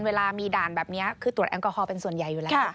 เวลามีด่านแบบนี้คือตรวจแอลกอฮอลเป็นส่วนใหญ่อยู่แล้ว